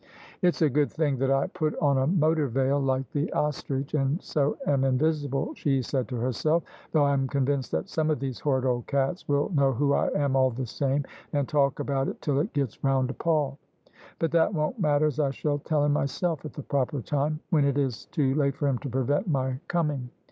" It's a good thing that I put on a motor veil like the ostrich, and so am invisible," she said to herself: "though Fm convinced that some of these horrid old cats will know who I am all the same, and talk about it till it gets round to Paul. But that won't matter, as I shall tell him myself at the proper time, when it is too late for him to prevent my coming.